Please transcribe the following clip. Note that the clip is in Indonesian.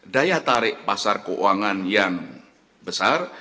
daya tarik pasar keuangan yang besar